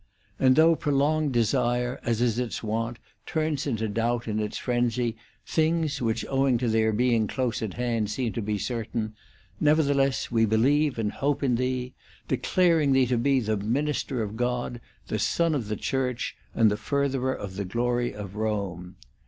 S( And though prolonged desire, as is its wont, turns into doubt in its frenzy things which owing to their being close at hand seem tobe certain, nevertheless we believe and hope in thee, declaring thee to be the minister of God, the son of the Church, and the furtherer of the glory of Eome.